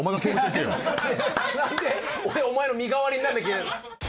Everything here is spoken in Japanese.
なんで俺お前の身代わりにならなきゃいけないの。